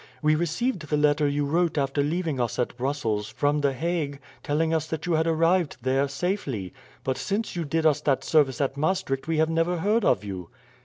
We received the letter you wrote after leaving us at Brussels, from the Hague, telling us that you had arrived there safely. But since you did us that service at Maastricht we have never heard of you."